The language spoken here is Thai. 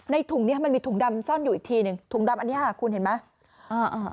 ถุงนี้มันมีถุงดำซ่อนอยู่อีกทีหนึ่งถุงดำอันนี้ค่ะคุณเห็นไหม